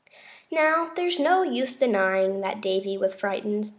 Now, there's no use in denying that Davy was frightened.